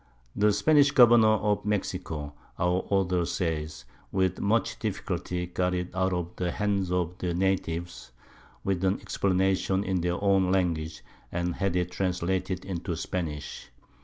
The Spanish Governour of Mexico, our Author says, with much difficulty got it out of the Hands of the Natives, with an Explanation in their own Language, and had it translated into Spanish.